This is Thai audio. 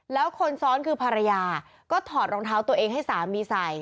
แล้วคนซ้อนคือภรรยาก็ถอดรองเท้าตัวเองให้สามีใส่